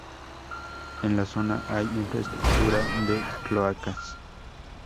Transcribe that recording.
En la zona hay infraestructura de cloacas.